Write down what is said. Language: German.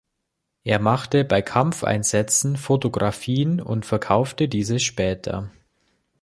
Er machte bei Kampfeinsätzen Fotografien und verkaufte diese später.